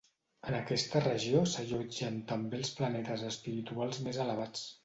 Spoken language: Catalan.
En aquesta regió s'allotgen també els planetes espirituals més elevats.